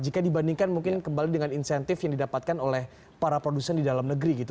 jika dibandingkan mungkin kembali dengan insentif yang didapatkan oleh para produsen di dalam negeri gitu